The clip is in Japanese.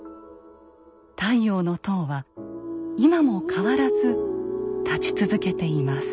「太陽の塔」は今も変わらず立ち続けています。